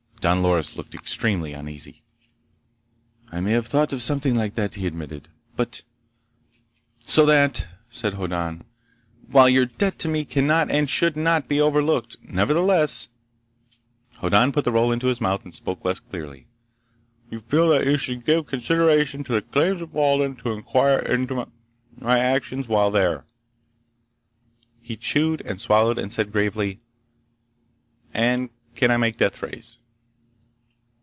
Don Loris looked extremely uneasy. "I may have thought something like that," he admitted. "But—" "So that," said Hoddan, "while your debt to me cannot and should not be overlooked, nevertheless"—Hoddan put the roll into his mouth and spoke less clearly—"you feel that you should give consideration to the claims of Walden to inquire into my actions while there." He chewed, and swallowed, and said gravely: "And can I make deathrays?"